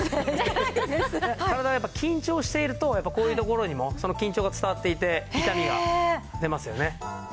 体がやっぱり緊張しているとこういうところにもその緊張が伝わっていて痛みが出ますよね。